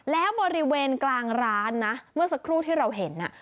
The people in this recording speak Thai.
แล้วบริเวณกลางร้านนะเมื่อสักครู่ที่เราเห็น